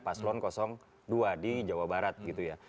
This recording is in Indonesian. paslon dua di jawa barat gitu ya